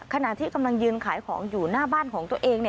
ขณะที่กำลังยืนขายของอยู่หน้าบ้านของตัวเอง